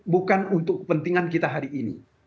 bukan untuk kepentingan kita hari ini